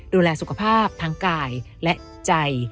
ดูแลสุขภาพทั้งกายและใจ